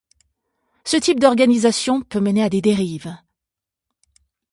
Ce type d'organisation peut mener à des dérives.